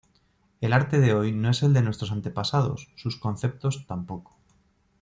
El arte de hoy no es el de nuestros antepasados; sus conceptos tampoco.